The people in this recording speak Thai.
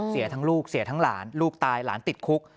เสียทั้งลูกเสียทั้งหลานลูกตายหลานติดคุก